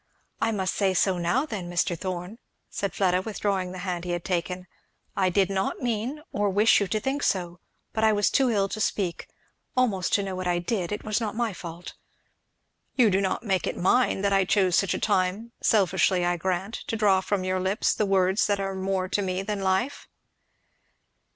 "I must say so now, then, Mr. Thorn," said Fleda withdrawing the hand he had taken; "I did not mean or wish you to think so, but I was too ill to speak almost to know what I did It was not my fault " "You do not make it mine, that I chose such a time, selfishly, I grant, to draw from your lips the words that are more to me than life?"